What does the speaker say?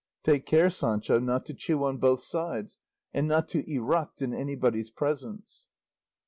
"Take care, Sancho, not to chew on both sides, and not to eruct in anybody's presence."